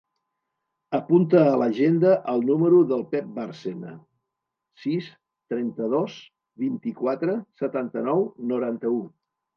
Apunta a l'agenda el número del Pep Barcena: sis, trenta-dos, vint-i-quatre, setanta-nou, noranta-u.